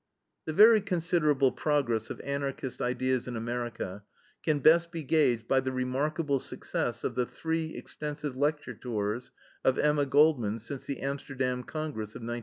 The very considerable progress of Anarchist ideas in America can best be gauged by the remarkable success of the three extensive lecture tours of Emma Goldman since the Amsterdam Congress of 1907.